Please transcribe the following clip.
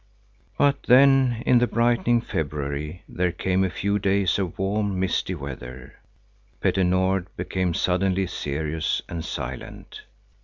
But then in the brightening February there came a few days of warm, misty weather. Petter Nord became suddenly serious and silent.